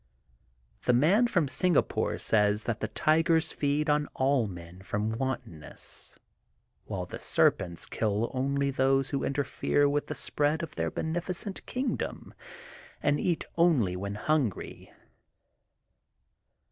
The Man from Singapore says that the tigers feed on all men from wantonness, while the serpents kill only those who interfere with the spread of their beneficent kingdom and eat only when hungry.